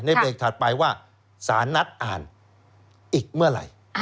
เบรกถัดไปว่าสารนัดอ่านอีกเมื่อไหร่